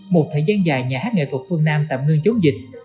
một thời gian dài nhà hát nghệ thuật phương nam tạm ngưng chống dịch